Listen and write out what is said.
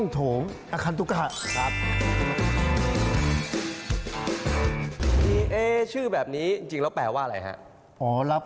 สวยไหมครับดูหนิครับแต่ห้องนี้ก็สวยสดเลยนะครับ